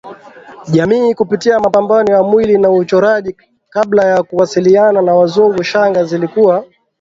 jamii kupitia mapambo ya mwili na uchoraji Kabla ya kuwasiliana na Wazungu shanga zilikuwa